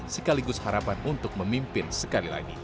sekaligus harapan untuk memimpin sekali lagi